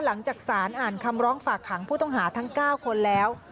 หลังจากสารอ่านคำร้องฝากขังผู้ต้องหาทั้ง๙คนแล้ว